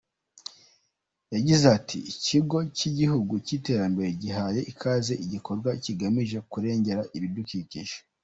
Yagize ati “Ikigo cy’Igihugu cy’Iterambere gihaye ikaze iki gikorwa kigamije kurengera ibidukikije.